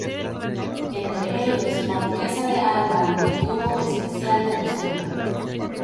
Entre ellos la duquesa de Alba que tuvo especial devoción.